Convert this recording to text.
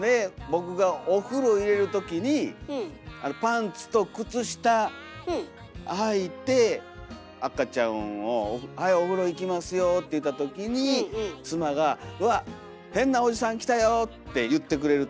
僕がお風呂入れるときにパンツと靴下はいて赤ちゃんを「はいお風呂行きますよ」って言うたときに妻が「うわっ変なおじさん来たよ」って言ってくれるときが僕は幸せです。